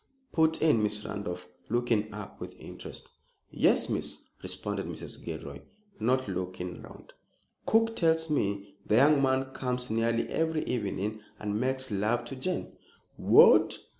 put in Miss Randolph, looking up with interest. "Yes, Miss," responded Mrs. Gilroy, not looking round. "Cook tells me the young man comes nearly every evening, and makes love to Jane!" "What!